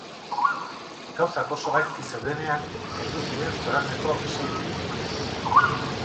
Gauzak oso gaizki zeudenean heldu ziren zoratzeko sei minutuak.